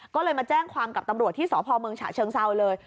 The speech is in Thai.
ก็เลยมาแจ้งความกับตำรวจที่สพเมืองฉะเชิงเซาเลย